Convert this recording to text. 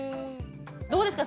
どうですか？